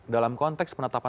dalam konteks penetapan